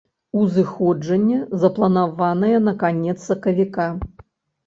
Узыходжанне запланаванае на канец сакавіка.